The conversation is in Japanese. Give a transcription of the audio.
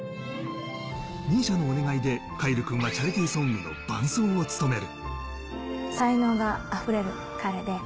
ＭＩＳＩＡのお願いで凱成君はチャリティーソングの伴奏を務める。